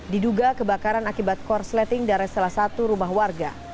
diduga kebakaran akibat korsleting dari salah satu rumah warga